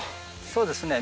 そうですね